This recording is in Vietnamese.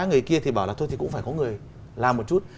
người kia thì bảo là thôi thì cũng phải có người làm một chút